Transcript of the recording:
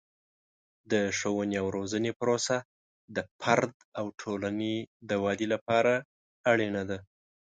د ښوونې او روزنې پروسه د فرد او ټولنې د ودې لپاره اړینه ده.